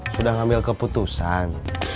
sudah ngambil keputusan